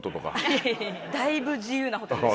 いやいやいやだいぶ自由なホテルです。